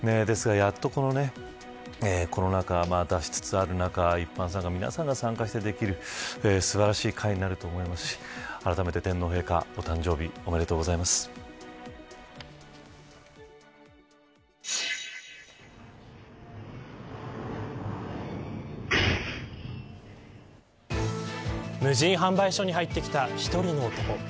ですが、やっとコロナ禍を脱しつつある中で、一般参賀に皆さんが参加できる。素晴らしい会になると思いますしあらためて天皇陛下無人販売所に入ってきた１人の男。